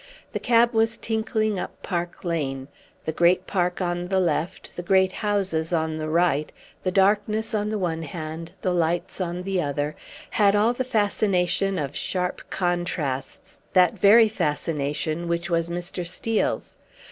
The cab was tinkling up Park Lane. The great park on the left, the great houses on the right, the darkness on the one hand, the lights on the other, had all the fascination of sharp contrasts that very fascination which was Mr. Steel's.